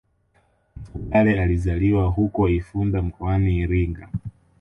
Mfugale alizaliwa huko Ifunda mkoani Iringa